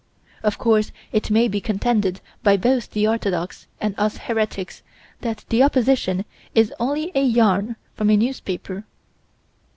Of course it may be contended by both the orthodox and us heretics that the opposition is only a yarn from a newspaper.